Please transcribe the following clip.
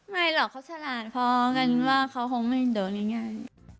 ไม่หรอกเขาฉลาดพอการว่าเขาคงคงไม่เห็นโดนอย่างงี้